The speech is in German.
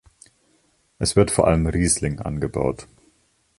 Es wird vor allem Riesling angebaut.